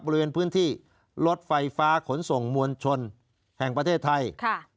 บริเวณพื้นที่รถไฟฟ้าขนส่งมวลชนแห่งประเทศไทย